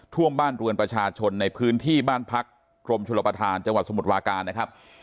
ท่วมบ้านเรือนประชาชนในพื้นที่บ้านพักกรมชลประธานจังหวัดสมุทรวาการนะครับ